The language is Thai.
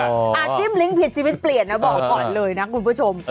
จิ้มลิ้งผิดชีวิตเปลี่ยนนะบอกก่อนเลยนะคุณผู้ชม